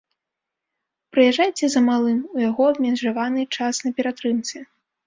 Прыязджайце за малым, у яго абмежаваны час на ператрымцы!